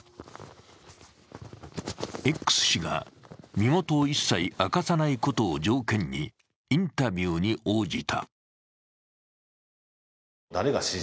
Ｘ氏が身元を一切明かさないことを条件にインタビューに応じた。